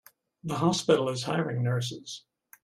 The hospital is hiring nurses.